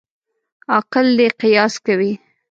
عاقل دي قیاس کوي.